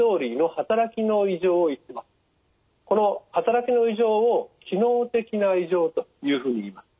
このはたらきの異常を機能的な異常というふうにいいます。